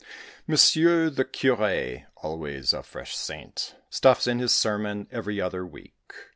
Monsieur the Curé always a fresh saint Stuffs in his sermon every other week."